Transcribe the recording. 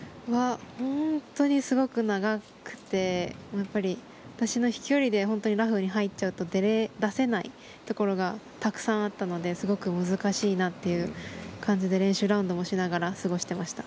本当にすごく長くて私の飛距離でラフに入っちゃうと出せないところがたくさんあったのですごく難しいなという感じで練習ラウンドもしながら過ごしていました。